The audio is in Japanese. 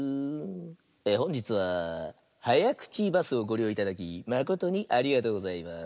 「ほんじつははやくちバスをごりよういただきまことにありがとうございます」。